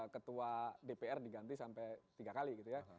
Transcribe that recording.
ketua dpr diganti sampai tiga kali gitu ya